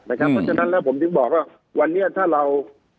เพราะฉะนั้นแล้วผมถึงบอกว่าวันนี้ถ้าเรา